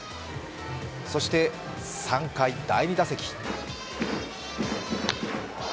そして３回、第２打席。